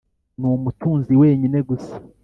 numutunzi wenyine gusa